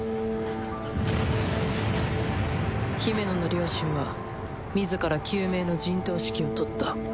ヒメノの両親は自ら救命の陣頭指揮を執った。